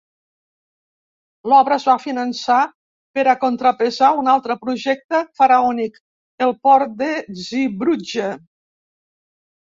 L'obra es va finançar per a contrapesar un altre projecte faraònic: el port de Zeebrugge.